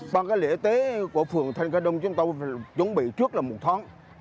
bằng cái lễ tế của phường thanh khai đông chúng ta phải chuẩn bị trước là một tháng